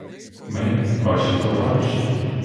Ми — ваші товариші.